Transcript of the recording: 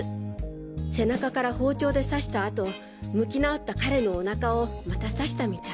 背中から包丁で刺したあと向き直った彼のお腹をまた刺したみたい。